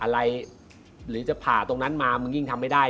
ไปผ่าท้องก็ทำไม่ได้